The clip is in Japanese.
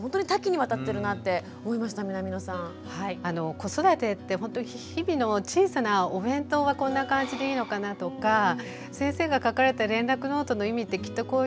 子育てってほんと日々の小さなお弁当はこんな感じでいいのかなとか先生が書かれた連絡ノートの意味ってきっとこういう意味だよなとか。